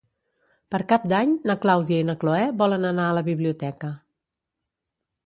Per Cap d'Any na Clàudia i na Cloè volen anar a la biblioteca.